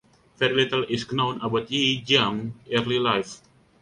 Very little is known about Yi Jiang early life.